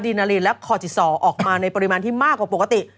นาลีนและคอจิซอร์ออกมาในปริมาณที่มากกว่าปกติ